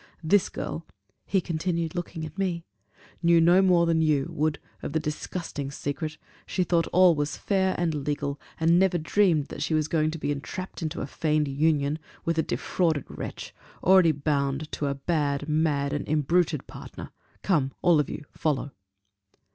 This girl," he continued, looking at me, "knew no more than you, Wood, of the disgusting secret: she thought all was fair and legal, and never dreamed that she was going to be entrapped into a feigned union with a defrauded wretch, already bound to a bad, mad, and imbruted partner! Come, all of you, follow."